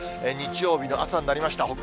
日曜日の朝になりました。